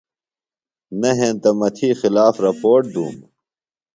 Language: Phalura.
نہ ہینتہ مہ تھی خلاف رپوٹ دُوم۔